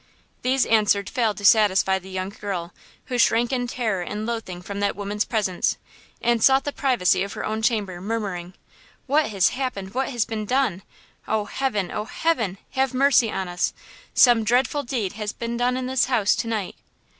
These answers failed to satisfy the young girl, who shrank in terror and loathing from that woman's presence, and sought the privacy of her own chamber, murmuring: "What has happened? What has been done? Oh, heaven! oh, heaven! have mercy on us! some dreadful deed has been done in this house to night!"